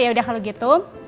yaudah kalau gitu